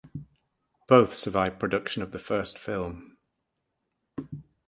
Both survived production of the first film.